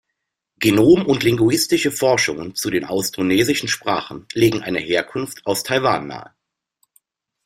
Genom- und linguistische Forschungen zu den austronesischen Sprachen legen eine Herkunft aus Taiwan nahe.